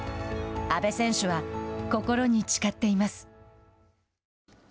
阿部選手は心に誓っています。